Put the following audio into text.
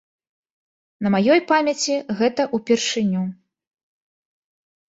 На маёй памяці гэта ўпершыню.